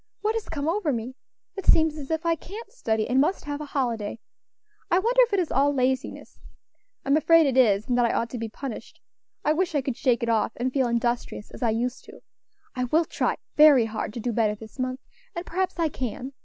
What has come over me? It seems as if I can't study, and must have a holiday. I wonder if it is all laziness? I'm afraid it is, and that I ought to be punished. I wish I could shake it off, and feel industrious as I used to. I will try very hard to do better this month, and perhaps I can.